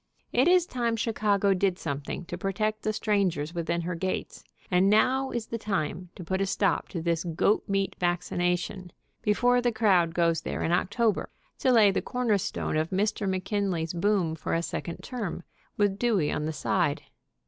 It is time Chicago did something to protect the strangers within her gates, and now is the time to put a stop to this goat meat vaccination, before the crowd goes there in October, to lay the cornerstone of Mr. McKinley's boom for a second term, with Dewey on the side.